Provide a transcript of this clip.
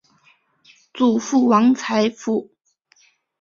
祖父王才甫。